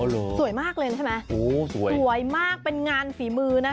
สวยมากเลยใช่ไหมสวยมากเป็นงานฝีมือนะ